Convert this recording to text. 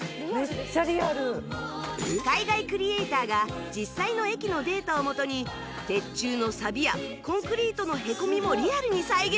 海外クリエイターが実際の駅のデータを基に鉄柱のサビやコンクリートのへこみもリアルに再現